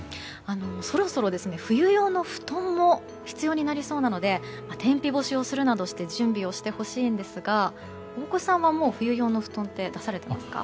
そろそろ冬用の布団も必要になりそうなので天日干しをするなどして準備をしてほしいんですが大越さんはもう、冬用の布団って出されていますか。